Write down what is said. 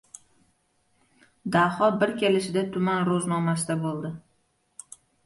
Daho bir kelishida tuman ro‘znomasida bo‘ldi.